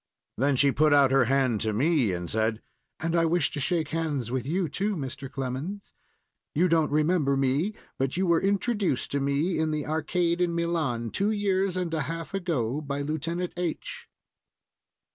Then she put out her hand to me, and said: "And I wish to shake hands with you too, Mr. Clemens. You don't remember me, but you were introduced to me in the arcade in Milan two years and a half ago by Lieutenant H."